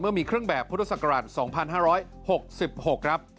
เมื่อมีเครื่องแบบพุทธศักรรณ์๒๕๖๖ครับ